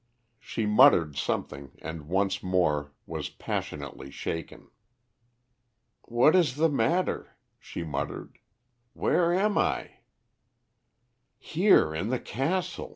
She muttered something and once more was passionately shaken. "What is the matter?" she muttered. "Where am I?" "Here, in the castle.